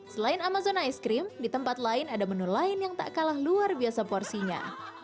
selain amazon ice cream di tempat lain ada menu lain yang tak kalah luar biasa porsinya